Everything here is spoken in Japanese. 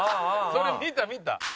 それ見た見た。